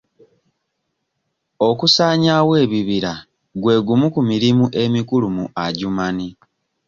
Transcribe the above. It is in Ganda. Okusaanyawo ebibira gwe gumu ku mirimu emikulu mu Adjumani.